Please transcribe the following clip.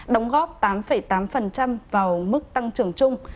đóng góp tám tám vào mức tăng trưởng chung